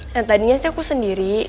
yang tadinya sih aku sendiri